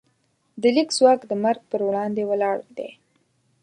د لیک ځواک د مرګ پر وړاندې ولاړ دی.